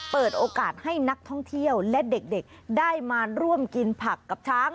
เปิดโอกาสให้นักท่องเที่ยวและเด็กได้มาร่วมกินผักกับช้าง